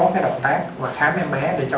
cái động tác và khám em bé để cho